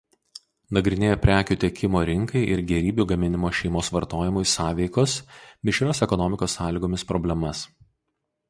Nagrinėja prekių tiekimo rinkai ir gėrybių gaminimo šeimos vartojimui sąveikos mišrios ekonomikos sąlygomis problemas.